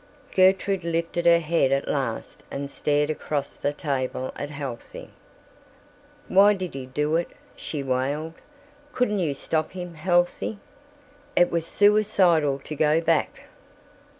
Gertrude lifted her head at last and stared across the table at Halsey. "Why did he do it?" she wailed. "Couldn't you stop him, Halsey? It was suicidal to go back!"